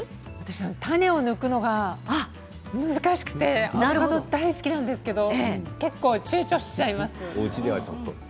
種を抜くのが難しくてアボカドは大好きなんですが結構ちゅうちょしてしまいます。